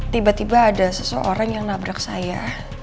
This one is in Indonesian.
tiba tiba ada seseorang yang nabrak saya